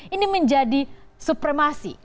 ini menjadi supremasi